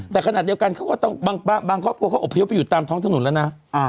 แต่ขณะเดียวกันเขาก็ต้องบางครอบครัวเขาอบพยพไปอยู่ตามท้องถนนแล้วนะ